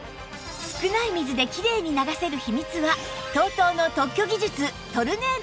少ない水できれいに流せる秘密は ＴＯＴＯ の特許技術「トルネード洗浄」